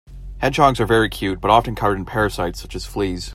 Hedgehogs are very cute but often covered in parasites such as fleas.